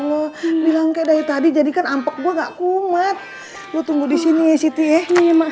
aduh kok jadi gini sih